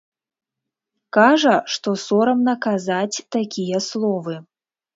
Кажа, што сорамна казаць такія словы.